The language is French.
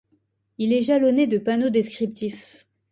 Il est jalonné de panneaux descriptifs.